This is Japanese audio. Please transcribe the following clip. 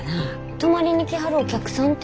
泊まりに来はるお客さんて。